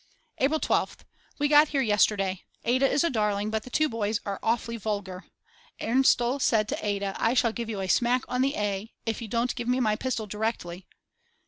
April 12th. We got here yesterday. Ada is a darling but the two boys are awfully vulgar. Ernstl said to Ada: I shall give you a smack on the a if you don't give me my pistol directly.